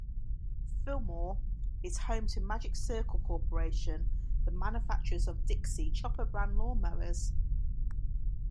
Fillmore is home to Magic Circle Corporation, the manufacturers of Dixie Chopper-brand lawn mowers.